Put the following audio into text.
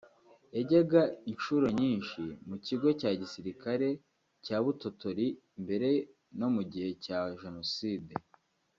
yajyaga inshuro nyinshi mu Kigo cya Gisirikare cya Butotori mbere no mu gihe cya Jenoside